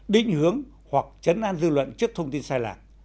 định hướng hoặc chấn an dư luận trước thông tin sai lạc